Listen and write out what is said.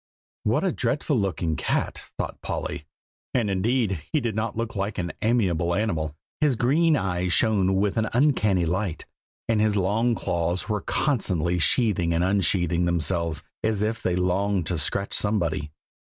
"What a dreadful looking cat!" thought Polly. And indeed, he did not look like an amiable animal. His green eyes shone with an uncanny light, and his long claws were constantly sheathing and unsheathing themselves, as if they longed to scratch somebody.